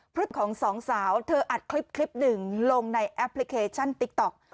คลิปของสองสาวเธออัดคลิปหนึ่งลงในแอปพลิเคชันติ๊กต๊อก